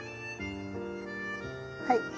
はい。